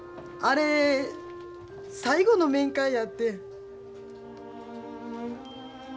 あれ最後の面会やってん。